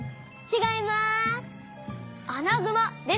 ちがいます。